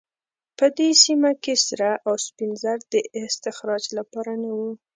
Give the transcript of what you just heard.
په دې سیمه کې سره او سپین زر د استخراج لپاره نه وو.